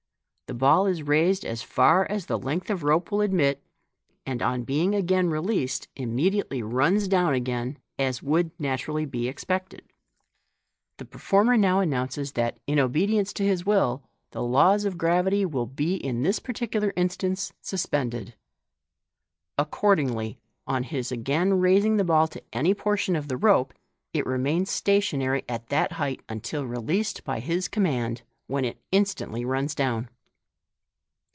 The ball is raised as far as the length of the rope will admit, and, on being again released, immediately runs down again, as would natu rally be exix cted. The performer now announces that, in obedience to his will, the laws of gravity will be in this particular instance suspended. Accordingly, on his again raising the ball to any portion of the rope, it remains stationary at that height until released by his command, when it instantly runs down.